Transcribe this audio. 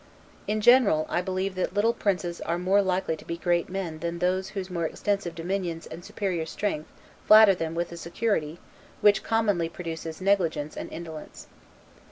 In general, I believe that little princes are more likely to be great men than those whose more extensive dominions and superior strength flatter them with a security, which commonly produces negligence and indolence.